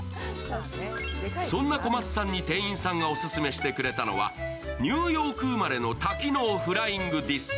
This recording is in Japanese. そんな小松さんに店員さんがオススメしてくれたのがニューヨーク生まれの多機能フライングディスク。